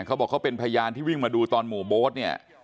เขาบอกเขาเป็นพยานที่วิ่งมาดูตอนหมู่โบ๊ทเนี่ย